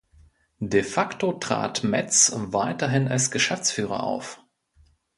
De facto trat Metz weiterhin als Geschäftsführer auf.